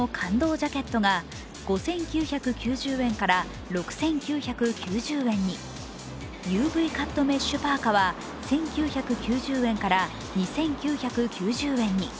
ジャケットが５９９０円から６９９０円に、ＵＶカットメッシュパーカーは１９９０円から２９９０円に。